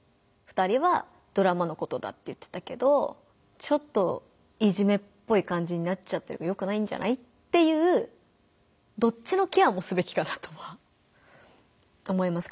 「２人はドラマのことだって言ってたけどちょっといじめっぽい感じになっちゃってるからよくないんじゃない？」っていうどっちのケアもすべきかなとは思います。